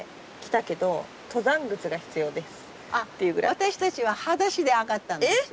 私たちははだしで上がったんですよ。